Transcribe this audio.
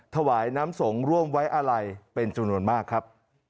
ถวายน้ำสงฆ์ร่วมไว้อาลัยเป็นจำนวนมากครับ